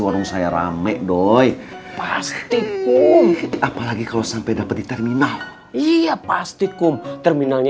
warung saya rame doi pasti kum apalagi kalau sampai dapetin terminal iya pasti kum terminalnya